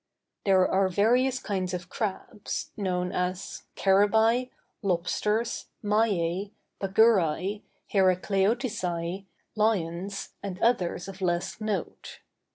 There are various kinds of crabs, known as carabi, lobsters, maiæ, paguri, heracleotici, lions, and others of less note.